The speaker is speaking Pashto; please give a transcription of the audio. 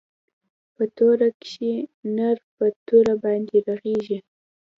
په توره کښې نر په توره باندې ږغېږي.